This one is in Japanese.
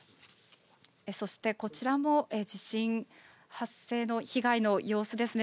そしてこちらも、地震発生の被害の様子ですね。